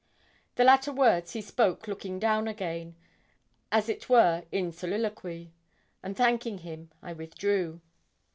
The latter words he spoke looking down again, as it were in soliloquy; and thanking him, I withdrew.